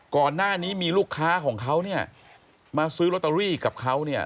ก่อนหน้านี้มีลูกค้าของเขาเนี่ยมาซื้อลอตเตอรี่กับเขาเนี่ย